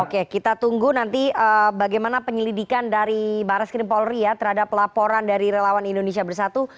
oke kita tunggu nanti bagaimana penyelidikan dari barres krim polri ya terhadap laporan dari relawan indonesia bersatu